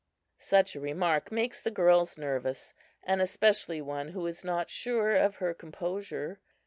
Such a remark makes the girls nervous, and especially one who is not sure of her composure.